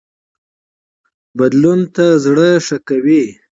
بدلون ته زړه ښه کوي